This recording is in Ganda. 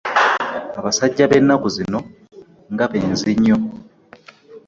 Abasajja b'ennaku zino nga benzi nnyo.